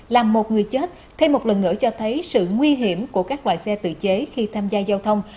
làm một người chết thêm một lần nữa cho thấy sự nguy hiểm của các loại xe tự chế khi tham gia giao thông